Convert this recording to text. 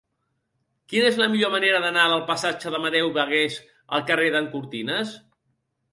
Quina és la millor manera d'anar del passatge d'Amadeu Bagués al carrer d'en Cortines?